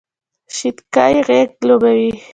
شینککۍ غیږ لوبوې،